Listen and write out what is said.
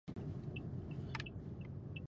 مېلمه ته عزت ورکول ښه کار دی.